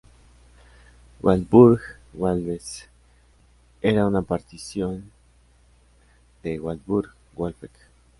Waldburg-Waldsee era una partición de Waldburg-Wolfegg.